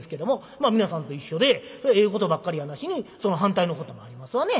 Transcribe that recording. まあ皆さんと一緒でええことばっかりやなしにその反対のこともありますわね。